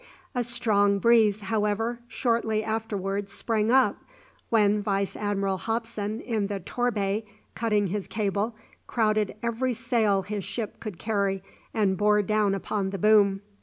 A strong breeze, however, shortly afterwards sprang up, when Vice Admiral Hopson, in the "Torbay," cutting his cable, crowded every sail his ship could carry and bore down upon the boom.